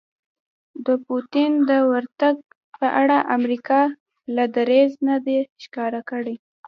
د پوتین د ورتګ په اړه امریکا لا دریځ نه دی ښکاره کړی